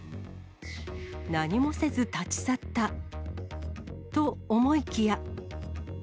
何もせず立ち去ったと思いきや。